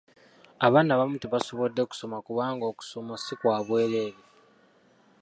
Abaana abamu tebasobodde kusoma kubanga okusoma si kwa bwereere.